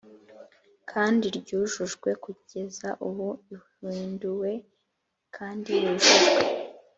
kandi ryujujwe kugeza ubu ihinduwe kandi yujujwe